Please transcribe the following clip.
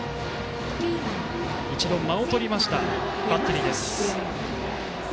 一度、間をとったバッテリーです。